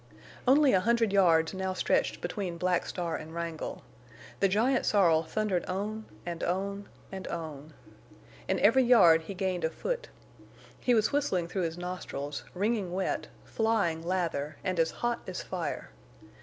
Only a hundred yards now stretched between Black Star and Wrangle. The giant sorrel thundered on—and on—and on. In every yard he gained a foot. He was whistling through his nostrils, wringing wet, flying lather, and as hot as fire.